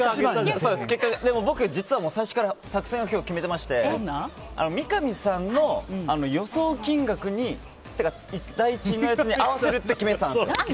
僕、実は最初から作戦は決めてまして三上さんの予想金額に第一のやつに合わせるって決めてたんです。